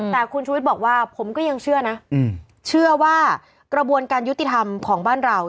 แต่คุณชุวิตบอกว่าผมก็ยังเชื่อนะเชื่อว่ากระบวนการยุติธรรมของบ้านเรา